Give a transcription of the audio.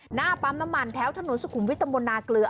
หน้าปั๊มน้ำมันแถวถนนสุขุมวิทมลนาเกลือ